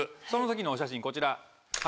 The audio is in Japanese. その時のお写真こちら。